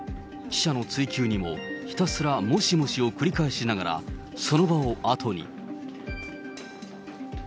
記者の追及にも、ひたすらもしもしを繰り返しながら、その場を後に。